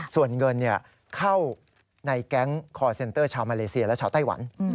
ส่วนเงินเข้าในแก๊งคอร์เซ็นเตอร์ชาวมาเลเซียและชาวไต้หวัน